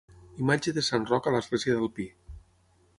Imatge de Sant Roc a l'Església del Pi.